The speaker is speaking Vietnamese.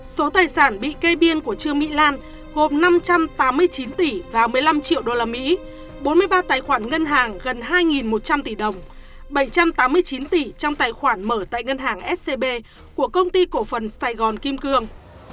số tài sản bị kê biên của trương mỹ lan gồm năm trăm tám mươi chín tỷ và một mươi năm triệu usd bốn mươi ba tài khoản ngân hàng gần hai một trăm linh tỷ đồng bảy trăm tám mươi chín tỷ trong tài khoản mở tại ngân hàng scb của công ty cổ phần sài gòn kim cương